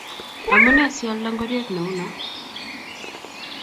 Amune si ialde ngororiet ne uno